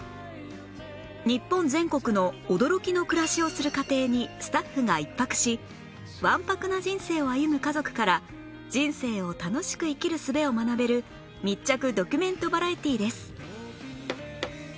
日本全国の驚きの暮らしをする家庭にスタッフが１泊しわんぱくな人生を歩む家族から人生を楽しく生きるすべを学べる密着ドキュメントバラエティーです